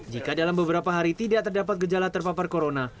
jika dalam beberapa hari tidak terdapat gejala terpapar corona